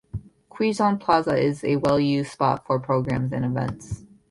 Quezon Plaza is a well used spot for programs and events.